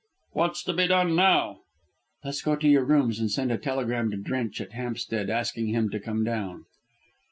"What's to be done now?" "Let us go to your rooms and send a telegram to Drench at Hampstead asking him to come down."